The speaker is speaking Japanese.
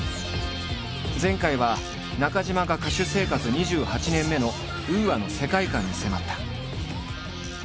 前回は中島が歌手生活２８年目のＵＡの世界観に迫った。